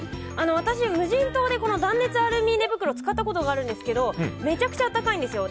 私、無人島で断熱アルミ寝袋を使ったことがあるんですけどめちゃくちゃ暖かいんですよ。